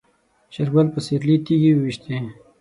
شېرګل په سيرلي تيږې وويشتې.